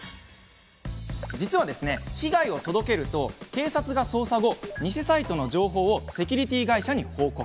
実は被害を届けると警察が捜査後偽サイトの情報をセキュリティー会社に報告。